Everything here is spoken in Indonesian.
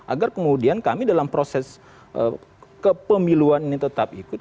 agar kemudian kami dalam proses kepemiluan ini tetap ikut